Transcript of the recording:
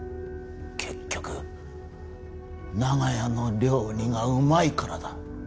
結局長屋の料理がうまいからだ。